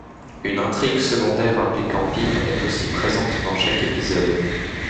Une intrigue secondaire impliquant Pim est aussi présente dans chaque épisode.